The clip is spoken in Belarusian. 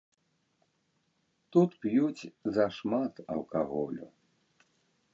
Тут п'юць зашмат алкаголю.